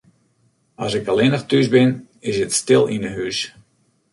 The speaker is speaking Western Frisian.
As ik allinnich thús bin, is it stil yn 'e hús.